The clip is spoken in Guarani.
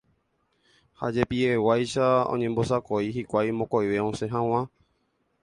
ha jepiveguáicha oñembosako'i hikuái mokõive osẽ hag̃ua